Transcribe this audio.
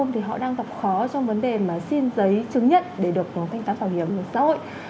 thì họ đang gặp khó trong vấn đề mà xin giấy chứng nhận để được thanh toán bảo hiểm xã hội